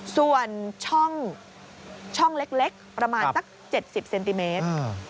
ส่วนช่องเล็กประมาณสัก๗๐เซนติเมตร